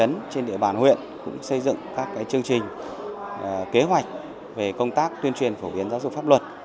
các xã thị trấn trên địa bàn huyện cũng xây dựng các chương trình kế hoạch về công tác tuyên truyền phổ biến giáo dục pháp luật